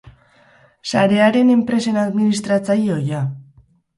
Sarearen enpresen administratzaile ohia.